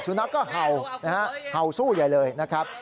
สุนักก็เห่าห่าวสู้ใหญ่เลยนะครับ